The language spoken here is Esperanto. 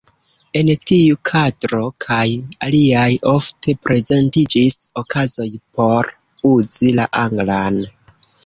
En tiu kadro kaj aliaj, ofte prezentiĝis okazoj por uzi la anglan.